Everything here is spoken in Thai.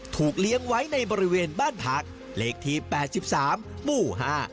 เลี้ยงไว้ในบริเวณบ้านพักเลขที่แปดสิบสามหมู่ห้า